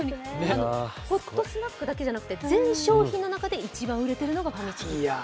ホットスナックだけでなく、全商品の中で一番売れているのがファミチキ。